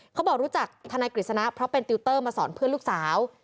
เขาบอกรู้จักทนายกฤษณะเพราะเป็นติวเตอร์มาสอนเพื่อนลูกสาว